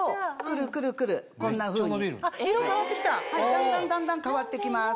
だんだんだんだん変わってきます。